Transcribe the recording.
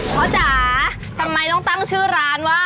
จ๋าทำไมต้องตั้งชื่อร้านว่า